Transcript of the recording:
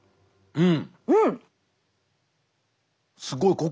うん！